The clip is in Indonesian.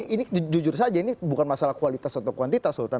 ini jujur saja ini bukan masalah kualitas atau kuantitas sultan